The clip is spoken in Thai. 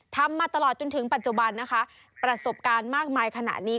ทำมาตลอดจนถึงปัจจุบันนะคะประสบการณ์มากมายขนาดนี้